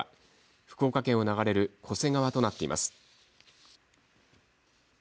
福岡県を流れる巨瀬川となっています。